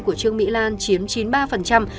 của trương mỹ lan chiếm chín mươi ba